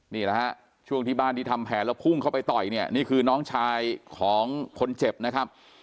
นี่แหละฮะช่วงที่บ้านที่ทำแผนแล้วพุ่งเข้าไปต่อยเนี่ยนี่คือน้องชายของคนเจ็บนะครับ